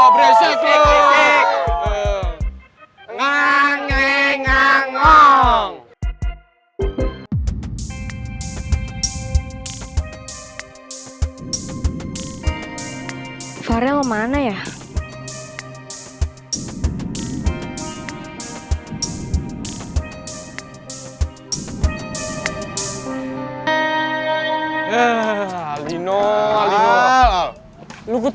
beri perang ke michelle